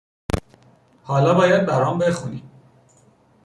حالا باید برام بخونی